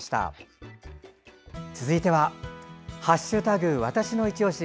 続いては「＃わたしのいちオシ」。